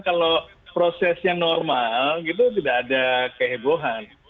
kalau proses yang normal gitu tidak ada kehebohan